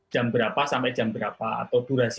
jam berapa sampai jam berapa